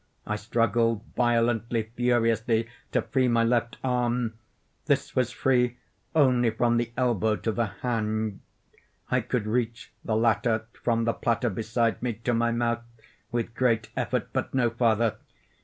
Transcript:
I struggled violently, furiously, to free my left arm. This was free only from the elbow to the hand. I could reach the latter, from the platter beside me, to my mouth, with great effort, but no farther.